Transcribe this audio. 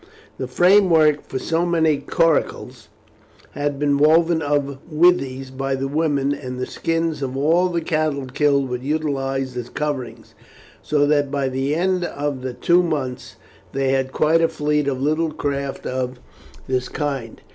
The framework for many coracles had been woven of withies by the women, and the skins of all the cattle killed were utilized as coverings, so that by the end of the two months they had quite a fleet of little craft of this kind.